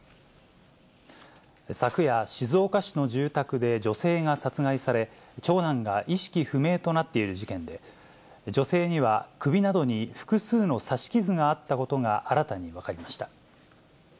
昨夜、静岡市の住宅で女性が殺害され、長男が意識不明となっている事件で、女性には、首などに複数の刺し傷があったことが新たに分かりました。